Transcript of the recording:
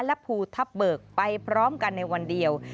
และภูทับเบิกไปพร้อมกันในวันเดียว